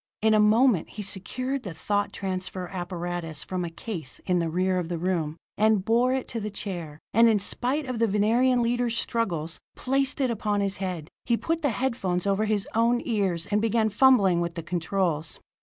In a moment he secured the thought transference apparatus from a case in the rear of the room, and bore it to the chair, and in spite of the Venerian leader's struggles, placed it upon his head. He put the head phones over his own ears, and began fumbling with the controls.